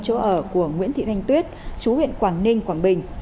chỗ ở của nguyễn thị thanh tuyết chú huyện quảng ninh quảng bình